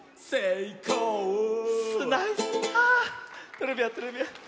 トレビアントレビアン。